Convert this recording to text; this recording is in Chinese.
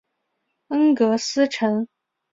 恩格斯城。